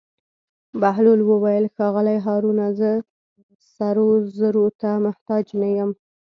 بهلول وویل: ښاغلی هارونه زه سرو زرو ته محتاج نه یم.